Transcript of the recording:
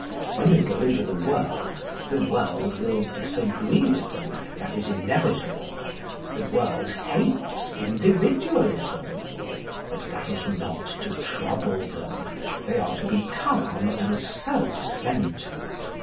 When they go into the world, the world will disagree with them. That is inevitable. The world hates Individualism. But that is not to trouble them. They are to be calm and self centred.